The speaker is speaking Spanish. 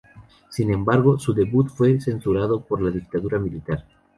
Sin embargo, su debut fue censurado por la dictadura militar.